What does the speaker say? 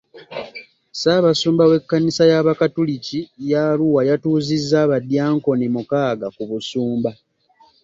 Ssaabasumba w'ekkanisa y'abakatoliki ya Arua yatuuzizza abadyankoni mukaaga ku busumba.